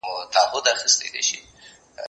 هغه څوک چي موبایل کاروي پوهه زياتوي؟